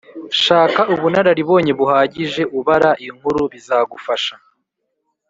shaka ubunararibonye buhagije ubara inkuru bizagufasha